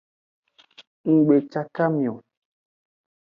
Nggbecakami o.